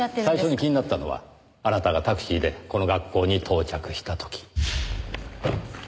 最初に気になったのはあなたがタクシーでこの学校に到着した時。